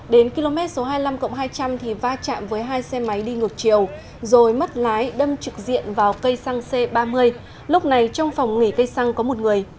đến km số hai mươi năm hai trăm linh thì va chạm với hai xe máy đi ngược chiều rồi mất lái đâm trực diện vào cây xăng c ba mươi lúc này trong phòng nghỉ cây xăng có một người